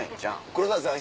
「黒田さん